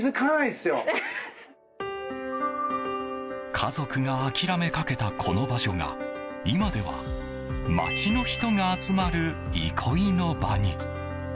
家族が諦めかけたこの場所が今では街の人が集まる憩いの場に。